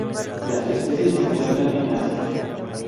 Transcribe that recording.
Las especies se encuentran en Asia.